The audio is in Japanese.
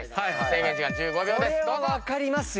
制限時間１５秒です。